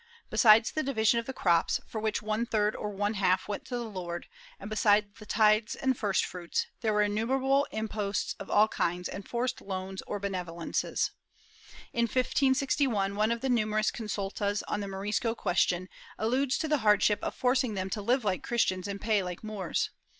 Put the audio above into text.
Besides the division of the crops, of which one third or one half went to the lord, and besides the tithes and first fruits, there were innumerable imposts of all kinds and forced loans or benevolences. In 1561, one of the numerous consultas on the Morisco question alludes to the hard ship of forcing them to live like Christians and pay like Moors.